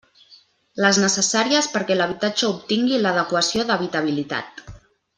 Les necessàries perquè l'habitatge obtingui l'adequació d'habitabilitat.